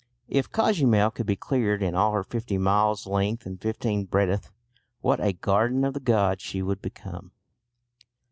If Cozumel could be cleared in all her fifty miles length and fifteen breadth, what a garden of the gods she would become!